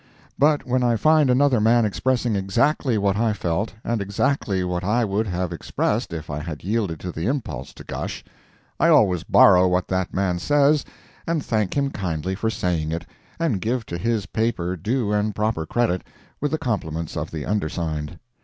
But when I find another man expressing exactly what I felt, and exactly what I would have expressed if I had yielded to the impulse to gush, I always borrow what that man says, and thank him kindly for saying it, and give to his paper due and proper credit, with the compliments of the undersigned.